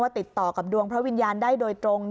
ติดต่อกับดวงพระวิญญาณได้โดยตรง